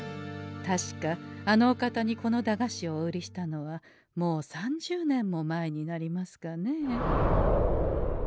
確かあのお方にこの駄菓子をお売りしたのはもう３０年も前になりますかねえ。